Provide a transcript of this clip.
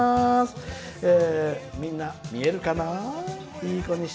みんな見えるかな？